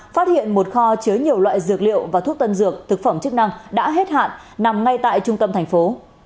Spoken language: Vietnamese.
phát hiện một kho chứa nhiều loại dược liệu và thuốc tân dược thực phẩm chức năng đã hết hạn nằm ngay tại trung tâm thành phố